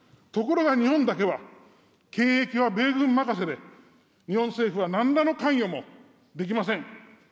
ところが日本だけは、検疫は米軍任せで、日本政府はなんらの関与もできません。